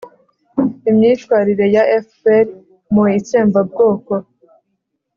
imyitwarire ya fpr mu itsembabwoko